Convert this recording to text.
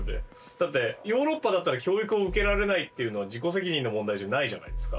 だってヨーロッパだったら教育を受けられないっていうのは自己責任の問題じゃないじゃないですか。